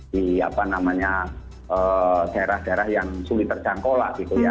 di apa namanya daerah daerah yang sulit terjangkau lah gitu ya